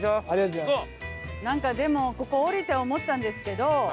なんかでもここ降りて思ったんですけど